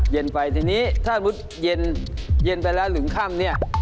เย็นไปทีนี้ถ้าเย็นไปแล้วหรือคั่มเนี่ย